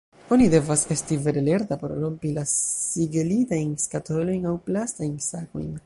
Oni devas esti vere lerta por rompi la sigelitajn skatolojn aŭ plastajn sakojn.